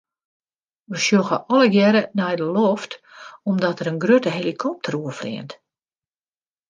We sjogge allegearre nei de loft omdat der in grutte helikopter oerfleant.